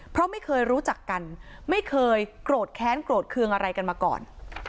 เพราะไม่เคยรู้จักกันไม่เคยโกรธแค้นโกรธเคืองอะไรกันมาก่อน